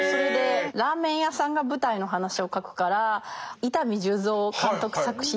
ラーメン屋さんが舞台の話を書くから伊丹十三監督作品の。